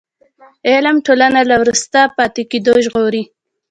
علم ټولنه له وروسته پاتې کېدو ژغوري.